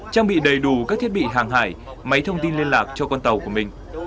trang bị đầy đủ các thiết bị hàng hải máy thông tin liên lạc cho con tàu của mình